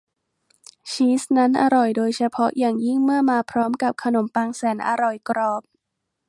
ชีสนั้นอร่อยโดยเฉพาะอย่างยิ่งเมื่อมาพร้อมกับขนมปังแสนอร่อยกรอบ